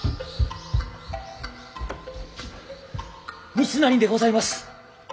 三成でございます。